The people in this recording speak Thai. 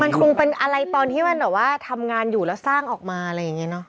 มันคงเป็นอะไรตอนที่มันแบบว่าทำงานอยู่แล้วสร้างออกมาอะไรอย่างนี้เนอะ